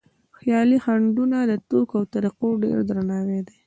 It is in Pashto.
خیالي خنډونه د توکو او طریقو ډېر درناوی دی.